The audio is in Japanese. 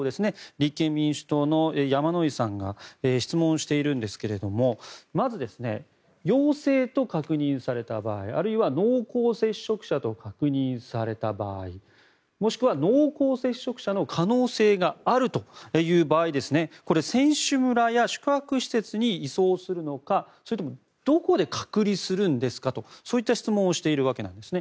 立憲民主党の山井さんが質問しているんですがまず、陽性と確認された場合あるいは濃厚接触者と確認された場合もしくは濃厚接触者の可能性があるという場合これ、選手村や宿泊施設に移送するのかそれともどこで隔離するんですかとそういった質問をしているわけですね。